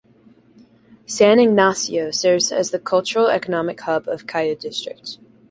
San Ignacio serves as the cultural-economic hub of Cayo District.